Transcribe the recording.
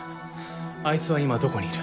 あいつは今どこにいる？